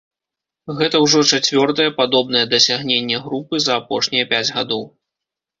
Гэта ўжо чацвёртае падобнае дасягненне групы за апошнія пяць гадоў.